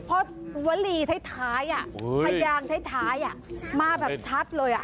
เพราะวลีท้ายพยางท้ายมาแบบชัดเลย